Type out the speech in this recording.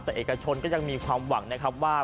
แต่เอกชนก็ยังมีความหวังนะครับว่า